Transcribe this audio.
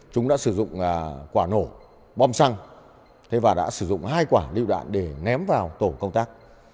chúng đã sử dụng quả nổ bom xăng và đã sử dụng hai quả lựu đạn để ném vào tổ công tác